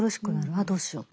ああどうしようと。